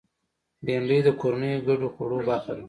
بېنډۍ د کورنیو ګډو خوړو برخه ده